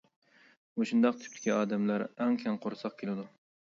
مۇشۇنداق تىپتىكى ئادەملەر ئەڭ كەڭ قورساق كېلىدۇ.